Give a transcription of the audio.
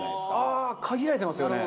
限られてますよね。